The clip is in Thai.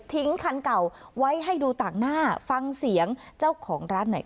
คันเก่าไว้ให้ดูต่างหน้าฟังเสียงเจ้าของร้านหน่อยค่ะ